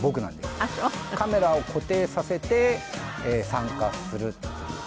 カメラを固定させて参加するっていう。